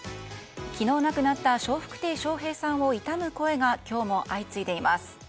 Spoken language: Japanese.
昨日亡くなった笑福亭笑瓶さんを悼む声が今日も相次いでいます。